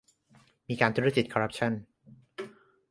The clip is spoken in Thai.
มีการทุจริต คอร์รัปชั่น